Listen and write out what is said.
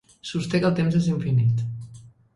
Sosté que el temps és infinit.